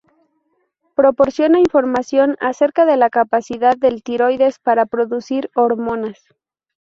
Proporciona información acerca de la capacidad del tiroides para producir hormonas.